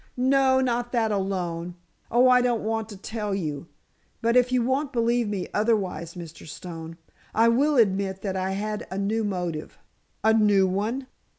"No, not that alone. Oh, I don't want to tell you—but, if you won't believe me otherwise, Mr. Stone, I will admit that I had a new motive——" "A new one?"